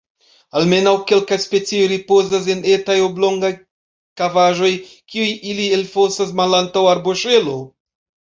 Almenaŭ kelkaj specioj ripozas en etaj oblongaj kavaĵoj kiujn ili elfosas malantaŭ arboŝelo.